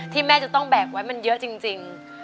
แม่จะต้องแบกไว้มันเยอะจริง